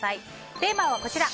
テーマはこちら